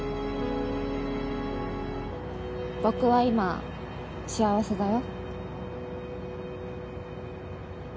僕は今幸せだよ。